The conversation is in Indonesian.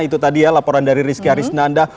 itu tadi ya laporan dari rizky harisnanda